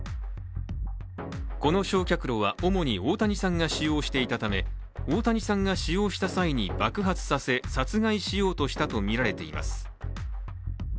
この焼却炉は主に大谷さんが使用していたため、大谷さんが使用した際に爆発させ殺害しようとしたとみられています。